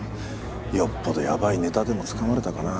よっぽどヤバいネタでもつかまれたかな？